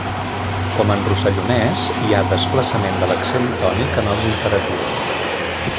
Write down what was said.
Com en rossellonès hi ha desplaçament de l'accent tònic en els imperatius.